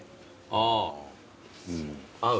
ああ合う？